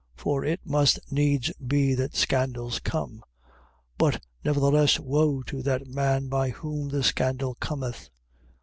For it must needs be that scandals come: but nevertheless woe to that man by whom the scandal cometh.